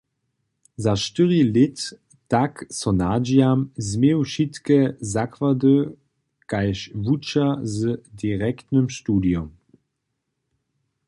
Za štyri lěta, tak so nadźijam, změju wšitke zakłady kaž wučer z direktnym studijom.